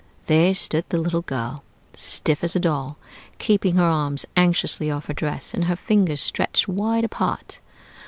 There stood the little girl, stiff as a doll, keeping her arms anxiously off her dress, and her fingers stretched wide apart.